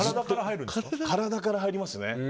体から入ります。